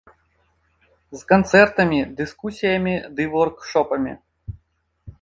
З канцэртамі, дыскусіямі ды воркшопамі.